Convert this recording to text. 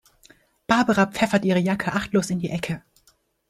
Barbara pfeffert ihre Jacke achtlos in die Ecke.